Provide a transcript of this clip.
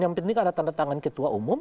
yang penting ada tanda tangan ketua umum